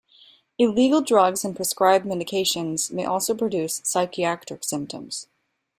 Illegal drugs and prescribed medications may also produce psychiatric symptoms.